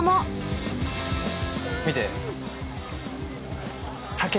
見て。